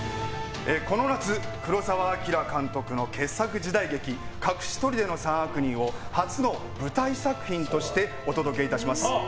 この夏、黒澤明監督の傑作時代劇「隠し砦の三悪人」を初の舞台作品としてお届けいたします。